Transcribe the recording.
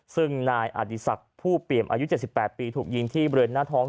ซึ่งนายอดีศักดิ์ผู้เปี่ยมอายุ๗๘ปีถูกยิงที่บริเวณหน้าท้อง